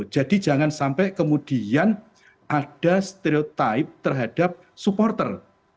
jadi jangan sampai kemudian ada stereotip terhadap supporter